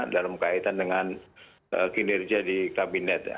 dalam kaitan dengan kinerja di kabinet